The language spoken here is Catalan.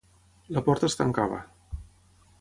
La porta es tancava.